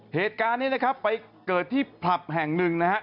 เหตุการณ์นี้นะครับไปเกิดที่ผับแห่งหนึ่งนะฮะ